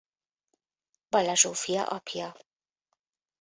Balla Zsófia apja.